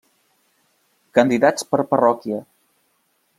Candidats per parròquia.